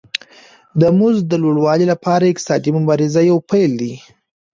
د مزد د لوړوالي لپاره اقتصادي مبارزه یو پیل دی